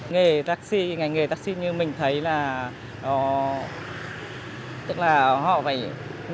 nghề taxi ngành nghề taxi như mình thấy là tức là họ phải